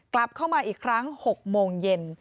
กลับเข้ามาอีกครั้ง๖โมงเย็น